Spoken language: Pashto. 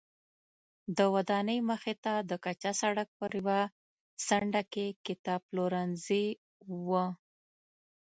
د ودانۍ مخې ته د کچه سړک په یوه څنډه کې کتابپلورځی و.